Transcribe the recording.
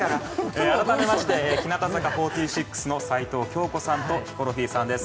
改めまして日向坂４６の齊藤京子さんとヒコロヒーさんです。